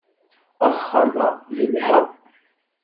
Axxam-a yelha